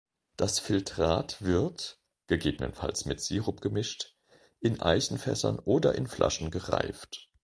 Das Filtrat wird (gegebenenfalls mit Sirup gemischt) in Eichenfässern oder in Flaschen gereift.